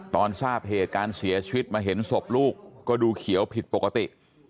ตอนทราบเหตุการณ์เสียชีวิตมาเห็นศพลูกก็ดูเขียวผิดปกติ